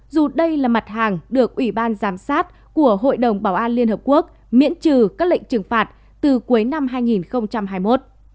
dù đây là mặt hàng được ủy ban giám sát của hội đồng bảo an liên hợp quốc miễn trừ các lệnh trừng phạt từ cuối năm hai nghìn hai mươi một